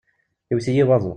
Yewwet-iyi waḍu.